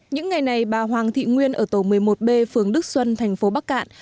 những ngày này bà hoàng thị nguyên ở tổ một mươi một b phường đức xuân thành phố bắc cạn